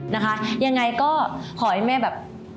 นะคะยังไงก็ขอให้แม่แบบ